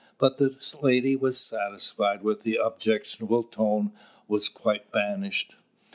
But the lady was satisfied when the objectionable tone was quite banished.